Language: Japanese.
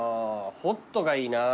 ホットがいいな。